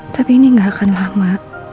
tapi ini gak akan lama